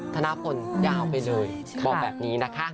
ธนพลยาวไปเลยบอกแบบนี้นะคะ